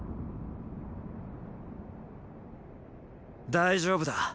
大丈夫だ。